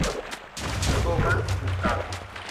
โชงะกุกัง